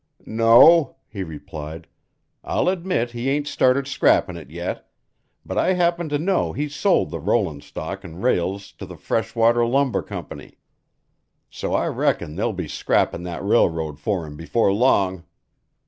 "No," he replied, "I'll admit he ain't started scrappin' it yet, but I happen to know he's sold the rollin' stock an' rails to the Freshwater Lumber Company, so I reckon they'll be scrappin' that railroad for him before long."